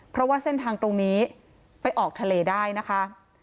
เพราะว่าเส้นทางตรงนี้ไปออกทะเลได้นะคะ